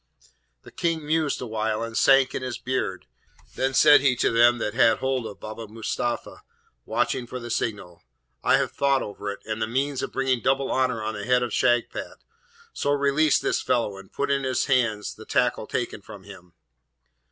The King mused awhile and sank in his beard. Then said he to them that had hold of Baba Mustapha watching for the signal, 'I have thought over it, and the means of bringing double honour on the head of Shagpat. So release this fellow, and put in his hands the tackle taken from him.'